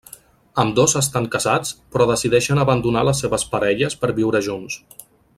Ambdós estan casats però decideixen abandonar a les seves parelles per viure junts.